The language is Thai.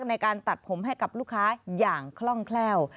ในการตัดผมให้กับลูกค้าอย่างคล่องแคล่ว